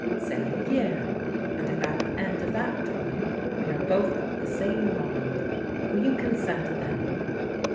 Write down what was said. Say a year, and if at the end of that time we are both of the same mind, will you consent then?